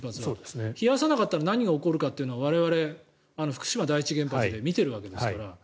冷やさなかったら何が起こるかというのは我々、福島第一原発で見ているわけですから。